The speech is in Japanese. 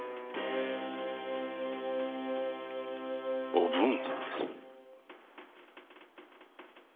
おぶん！